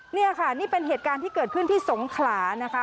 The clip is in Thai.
นี่ค่ะนี่เป็นเหตุการณ์ที่เกิดขึ้นที่สงขลานะคะ